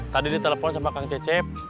tadi ditelepon sama kang cecep